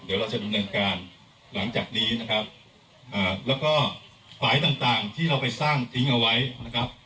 เดี๋ยวเราจะดำเนินการหลังจากนี้นะครับแล้วก็ฝ่ายต่างต่างที่เราไปสร้างทิ้งเอาไว้นะครับ